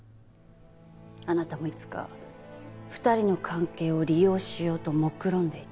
あなたもいつか２人の関係を利用しようともくろんでいた。